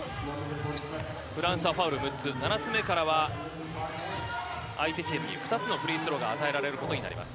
フランスはファウル６つ、７つ目からは、相手チームに２つのフリースローが与えられることになります。